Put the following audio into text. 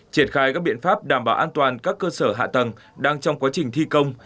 triển khai các biện pháp đảm bảo an toàn các cơ sở hạ tầng đang trong quá trình thi công